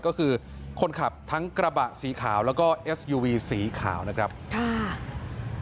ก็คือคนขับทั้งกระบะสีขาวแล้วก็เอสยูวีสีขาวนะครับค่ะ